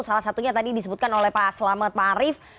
salah satunya tadi disebutkan oleh pak selamet pak arief